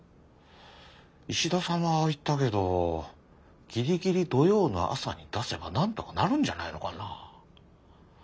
石田さんはああ言ったけどギリギリ土曜の朝に出せば何とかなるんじゃないのかなあ。